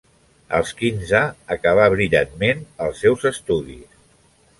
Als quinze acabà brillantment els seus estudis.